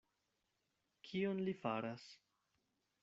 Kion li faras?